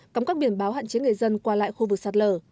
cấm các biển báo hạn chế người dân qua lại khu vực sạt lở